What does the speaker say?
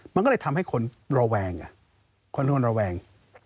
มันก็เลยทำให้คนระแวง